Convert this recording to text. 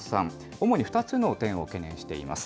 主に２つの点を懸念しています。